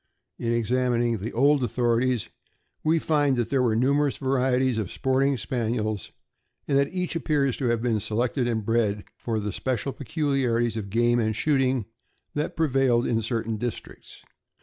In examining the old authorities, we find that there were numerous varieties of sporting Spaniels, and that each appears to have been selected and bred for the special peculiarities of the game and shooting that prevailed in certain districts.